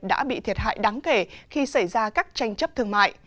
đã bị thiệt hại đáng kể khi xảy ra các tranh chấp thương mại